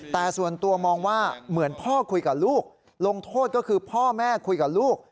แต่ส่วนตัวมองว่าเหมือนพ่อคุยกับลูกลงโทษก็คือพ่อแม่คุยกับลูก